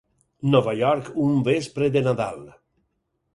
Nova York, un vespre de Nadal.